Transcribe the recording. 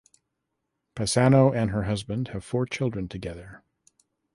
Pisano and her husband have four children together.